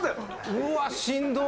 うわしんどっ！